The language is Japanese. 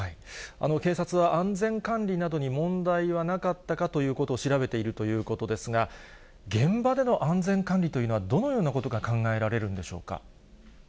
警察は安全管理などに問題はなかったかということを調べているということですが、現場での安全管理というのはどのようなことが考えられるんでしょうか。